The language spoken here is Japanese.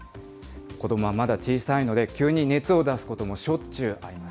子どもはまだ小さいので、急に熱を出すこともしょっちゅうあります。